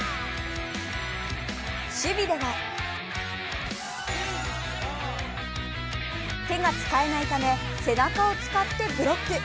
守備では手が使えないため背中を使ってブロック。